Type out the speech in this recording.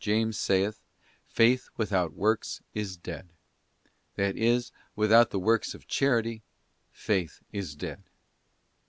James saith, ' Faith without works is dead.'* That is, without the works of Charity Faith is dead.